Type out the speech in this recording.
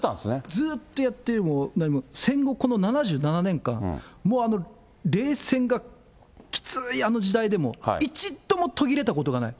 ずっとやって、もう、戦後、この７７年間、もう、冷戦がきついあの時代でも、一度も途切れたことがない。